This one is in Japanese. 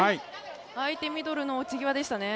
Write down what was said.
相手ミドルの落ち際でしたね。